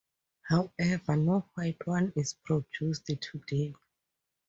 However, no white wine is produced today.